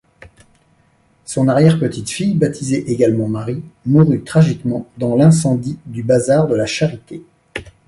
Son arrière-petite-fille, baptisée également Marie, mourut tragiquement dans l'incendie du Bazar de la Charité.